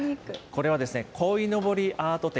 これはこいのぼりアート展